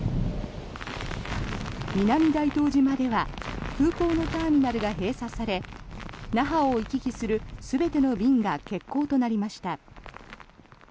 南大東島では空港のターミナルが閉鎖され那覇を行き来する全ての便が欠航となりました。